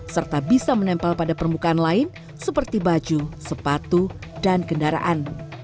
serta bisa menempel pada permukaan lain seperti baju sepatu dan kendaraan